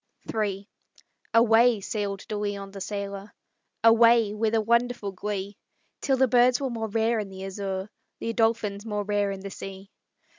III Away sailed De Leon, the sailor; Away with a wonderful glee, Till the birds were more rare in the azure, The dolphins more rare in the sea.